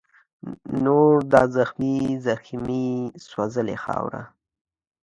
نور دا زخمې زخمي سوځلې خاوره